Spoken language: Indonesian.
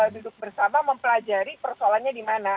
duduk bersama mempelajari persoalannya di mana